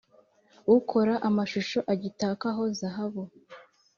Ukora amashusho agitakaho zahabu,